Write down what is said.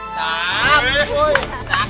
sampai jumpa lagi